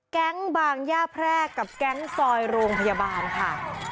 บางย่าแพรกกับแก๊งซอยโรงพยาบาลค่ะ